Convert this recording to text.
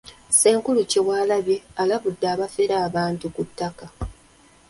Ssenkulu Kyewalabye alabudde abafera abantu ku ttaka.